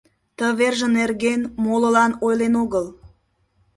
Ты верже нерген молылан ойлен огыл.